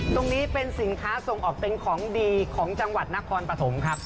ตรงนี้เป็นสินค้าส่งออกเป็นของดีของจังหวัดนครปฐมครับ